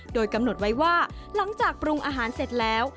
โดยกำหนดไว้ว่าหลังจากปรุงอาหารเสร็จแล้ว